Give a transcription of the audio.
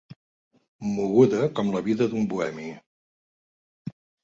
Moguda com la vida d'un bohemi.